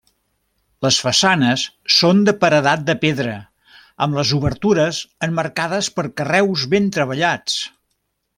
Les façanes són de paredat de pedra, amb les obertures emmarcades per carreus ben treballats.